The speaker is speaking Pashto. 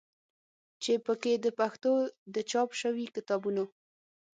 چې په کې د پښتو د چاپ شوي کتابونو